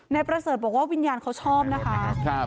นายประเสริฐบอกว่าวิญญาณเขาชอบนะคะ